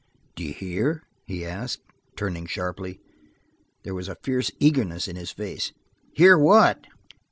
"D'you hear?" he asked, turning sharply. There was a fierce eagerness in his face. "Hear what?"